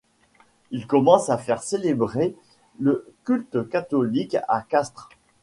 Il commence à faire célébrer le culte catholique à Castres.